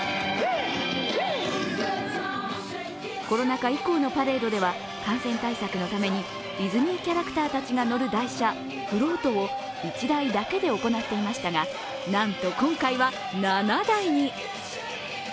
コロナ禍以降のパレードでは、感染対策のためにディズニーキャラクターたちが乗る台車、フロートを１台だけで行っていましたが、なんと今回は７台に。